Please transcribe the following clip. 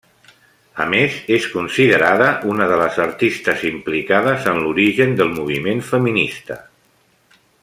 A més és considerada una de les artistes implicades en l'origen del moviment feminista.